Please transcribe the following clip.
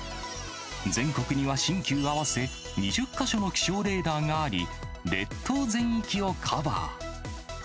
全国には新旧合わせ、２０か所の気象レーダーがあり、列島全域をカバー。